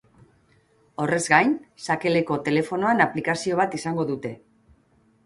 Horrez gain, sakelako telefonoan aplikazio bat izango dute.